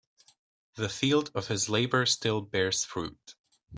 The field of his labor still bears fruit.